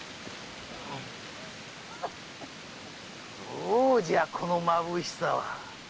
どうじゃこのまぶしさは！